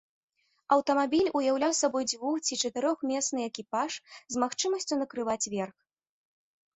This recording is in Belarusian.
Аўтамабіль ўяўляў сабой двух- ці чатырохмесны экіпаж, з магчымасцю накрываць верх.